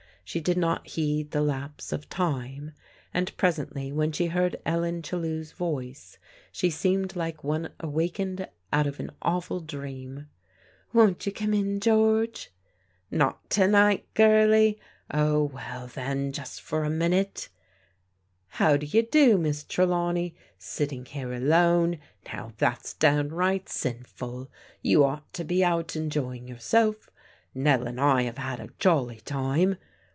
She did not heed the lapse of time, and presently, when she heard Ellen Chellew's voice, she seemed like one awakened out of an awful dream. "Won't you come in, George^? *' Not to night, girlie. Oh, well, then, just for a nrin THE "GOOD FRIEND*' 229 ute. How do you do. Miss Trelawney? Sitting here alone ? Now, that's downright sinful. You ought to be out enjoying yourself. Nell and I have had a jolly time.